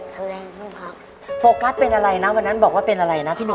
อะไรลูกครับโฟกัสเป็นอะไรนะวันนั้นบอกว่าเป็นอะไรนะพี่ห